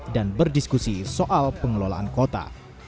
berdiskusi soal pengelolaan kota